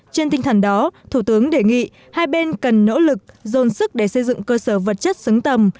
trên tinh thần đó thủ tướng đề nghị hai bên cần nỗ lực dồn sức để xây dựng cơ sở vật chất xứng tầm